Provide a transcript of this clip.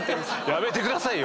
やめてくださいよ。